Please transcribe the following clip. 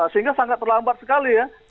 sehingga sangat terlambat sekali ya